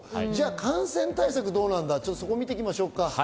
感染対策はどうなんだというのを見ていきましょう。